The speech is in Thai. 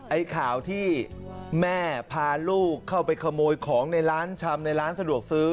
ไอ้ข่าวที่แม่พาลูกเข้าไปขโมยของในร้านชำในร้านสะดวกซื้อ